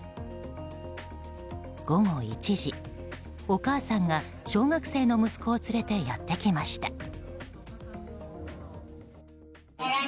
午後１時、お母さんが小学生の息子を連れてやってきました。